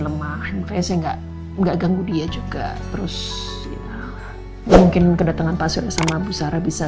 lemah nves enggak enggak ganggu dia juga terus mungkin kedatangan pasalnya sama busara bisa